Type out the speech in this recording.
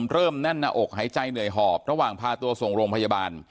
แน่นหน้าอกหายใจเหนื่อยหอบระหว่างพาตัวส่งโรงพยาบาล